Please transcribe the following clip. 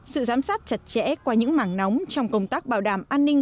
sự giám sát chặt chẽ qua những mảng nóng trong công tác bảo đảm an ninh